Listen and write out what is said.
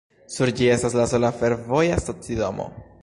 Sur ĝi estas la sola fervoja stacidomo.